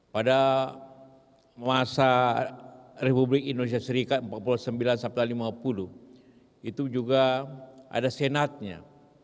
pada masa republik indonesia serikat empat puluh sembilan sampai lima puluh itu juga ada senatnya